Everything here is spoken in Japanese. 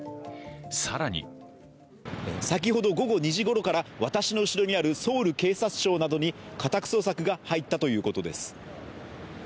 更に先ほど午後２時ごろから私の後ろにあるソウル警察庁などに家宅捜索が入ったということです。